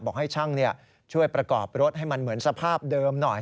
บอกให้ช่างช่วยประกอบรถให้มันเหมือนสภาพเดิมหน่อย